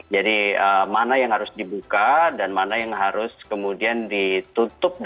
jadi mana yang harus dibuka dan mana yang harus kemudian ditutup